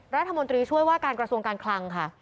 รัฐมนตรีช่วยว่าการกระทรวงการคลังค่ะ